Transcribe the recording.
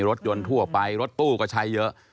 รถยนต์ทั่วไปรถตู้ก็ใช้เยอะ